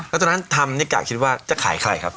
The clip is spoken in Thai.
ก็ต้นทำเราก็คิดว่าจะขายไข่ครับ